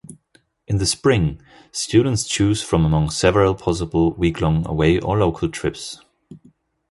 In the spring, students choose from among several possible weeklong away or local trips.